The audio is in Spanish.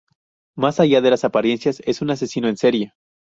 Más allá de las apariencias, es un asesino en serie.